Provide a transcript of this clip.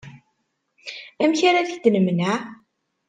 Amek ara t-id-nemneε?